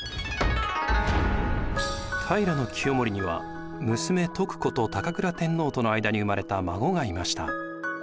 平清盛には娘・徳子と高倉天皇との間に生まれた孫がいました。